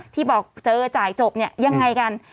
ที่บอกเจอจ่ายจบเนี่ยยังไงกัน